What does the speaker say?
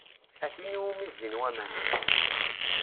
A tin iwumi zzin waman.